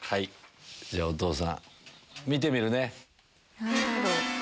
じゃあお父さん見てみるね。